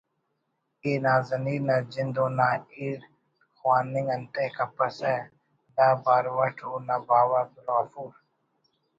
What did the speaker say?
ءِ نازنین نا جند اونا ایڑھ خواننگ انتئے کپسہ دا بارو اٹ اونا باوہ عبدالغفور